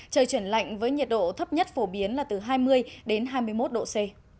trời chuyển lạnh với nhiệt độ thấp nhất phổ biến là từ hai mươi đến hai mươi một độ c